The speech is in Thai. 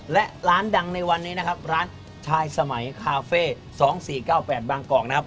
และร้านดังในวันนี้นะครับร้านชายสมัยคาเฟ่๒๔๙๘บางกอกนะครับ